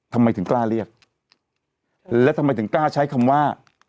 ทำไมถึงกล้าเรียกแล้วทำไมถึงกล้าใช้คำว่า